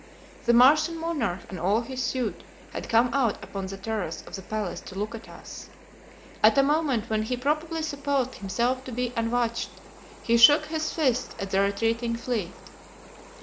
The Martian monarch and all his suite had come out upon the terrace of the palace to look at us. At a moment when he probably supposed himself to be unwatched he shook his fist at the retreating fleet.